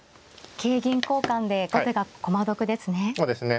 桂銀交換で後手が駒得ですね。